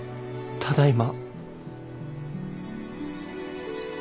ただいま。